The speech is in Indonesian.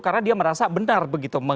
karena dia merasa benar begitu